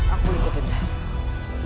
aku ikut dia